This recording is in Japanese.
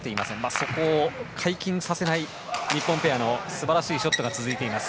そこを解禁させない日本ペアの素晴らしいショットが続いています。